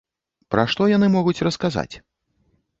Пра што яны могуць расказаць?